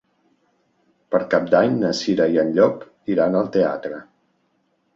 Per Cap d'Any na Cira i en Llop iran al teatre.